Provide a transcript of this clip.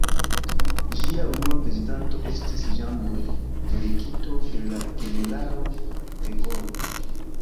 Ĝia unua prezidanto estis Jean Moulin, delegito de la generalo de Gaulle.